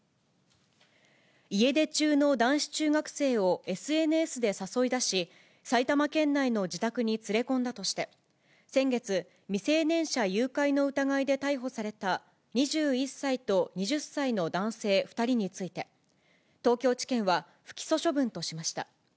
家出中の男子中学生をＳＮＳで誘い出し、埼玉県内の自宅に連れ込んだとして、先月、未成年者誘拐の疑いで逮捕された２１歳と２０歳の男性２人について、東京地検は不起訴処分としました。